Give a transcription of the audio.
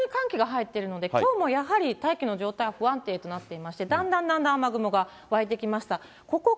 ちょっと上空に寒気が入っているので、きょうもやはり大気の状態は不安定となっていまして、だんだんだんだん雨雲が湧いてきました。